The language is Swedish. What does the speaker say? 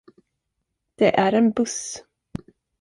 Det är en buss.